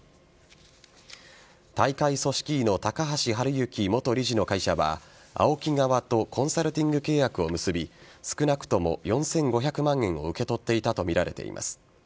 大会組織委の高橋治之元理事の会社はＡＯＫＩ側とコンサルティング契約を結び少なくとも４５００万円を受け取っていたとみられています。